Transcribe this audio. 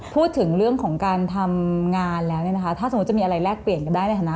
พูดถึงเรื่องของการทำงานแล้วเนี่ยนะคะถ้าสมมุติจะมีอะไรแลกเปลี่ยนกันได้ในฐานะ